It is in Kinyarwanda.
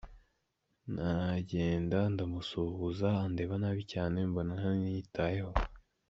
Ndagenda ndamusuhuza, andeba nabi cyanee, mbona ntanyitayeho.